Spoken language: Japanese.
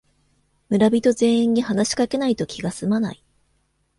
村人全員に話しかけないと気がすまない